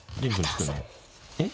えっ？